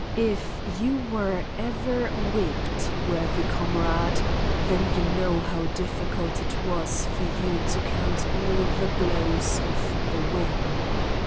... If you were ever whipped, worthy comrade, then you know how difficult it was for you to count all the blows of the whip.